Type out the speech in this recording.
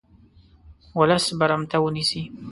ولس برمته ونیسي.